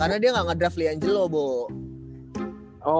karena dia gak ngedrive li angel lo bo